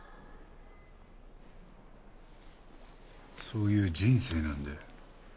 そういう人生なんで。